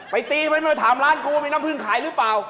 ไปตีมั้ยหน่อยถามร้านกูว่ามีน้ำเพิ่งขายหรือเปล่า